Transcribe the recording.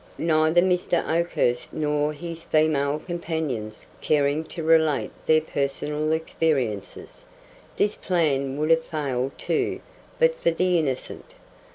Neither Mr. Oakhurst nor his female companions caring to relate their personal experiences, this plan would have failed too but for the Innocent.